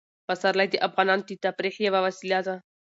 پسرلی د افغانانو د تفریح یوه وسیله ده.